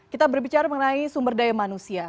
kita berbicara mengenai sumber daya manusia